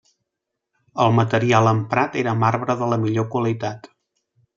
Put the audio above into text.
El material emprat era marbre de la millor qualitat.